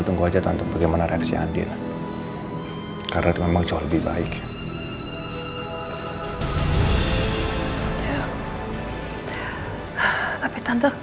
tunggu aja tante bagaimana reaksi andin karena memang jauh lebih baik tapi tante